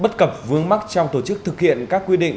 bất cập vướng mắc trong tổ chức thực hiện các quy định